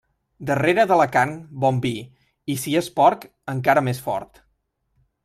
Darrere de la carn, bon vi, i si és porc, encara més fort.